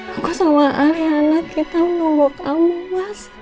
aku sama anak kita menunggu kamu mas